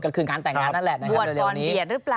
ก็คืองานแต่งงานนั่นแหละนะครับเร็วนี้